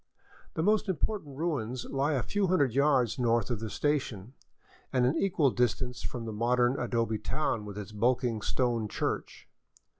The most important ruins lie a few hundred yards north of the station, and an equal distance from the modern adobe town with its bulking stone church.